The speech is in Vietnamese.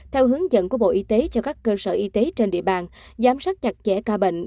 theo hướng dẫn của bộ y tế cho các cơ sở y tế trên địa bàn giám sát chặt chẽ ca bệnh